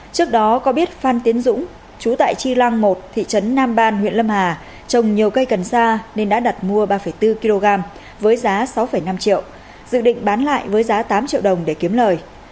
trước đó có biết phan tiến dũng chú tại chi lăng một thị trấn nam ban huyện lâm hà trồng nhiều cây cần sa nên đã đặt mua ba bốn kg với giá sáu năm triệu dự định bán lại với giá tám triệu đồng để kiếm lời